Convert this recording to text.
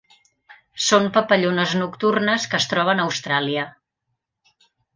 Són papallones nocturnes que es troben a Austràlia.